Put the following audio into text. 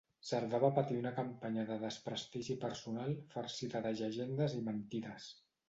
Cerdà va patir una campanya de desprestigi personal farcida de llegendes i mentides.